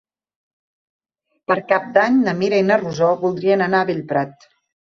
Per Cap d'Any na Mira i na Rosó voldrien anar a Bellprat.